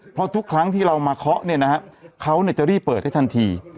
เพราะทุกครั้งที่เรามาเคาะเนี่ยนะฮะเขาจะรีบเปิดให้ทันที